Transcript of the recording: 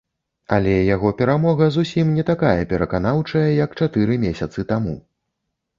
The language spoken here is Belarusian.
Але яго перамога зусім не такая пераканаўчая, як чатыры месяцы таму.